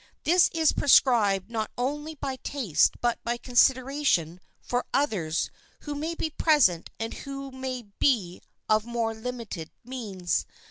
This is prescribed not only by taste but by consideration for others who may be present and who may be of more limited means.